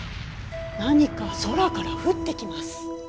何か空から降ってきます。